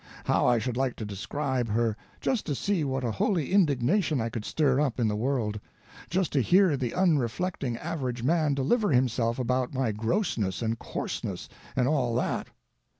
How I should like to describe her just to see what a holy indignation I could stir up in the world just to hear the unreflecting average man deliver himself about my grossness and coarseness, and all that.